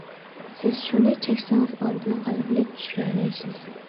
سىز شۇنى چەكسىڭىز ئاندىن غەلىبىلىك چۈشۈرەلەيسىز.